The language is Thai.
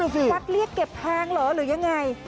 กลับยกเก็บแพงเหรอหรือยังไง